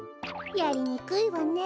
やりにくいわね。